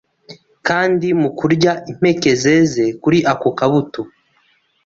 kandi mu kurya impeke zeze kuri ako kabuto